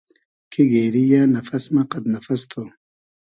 کی گېری یۂ نئفئس مۂ قئد نئفئس تو